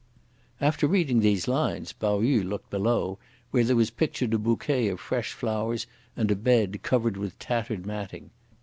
After reading these lines, Pao yü looked below, where was pictured a bouquet of fresh flowers and a bed covered with tattered matting.